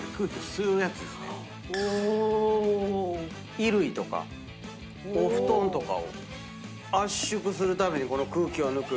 衣類とかお布団とかを圧縮するために空気を抜く。